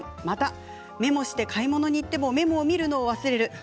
またメモして買い物に行ってもメモを見るのを忘れる。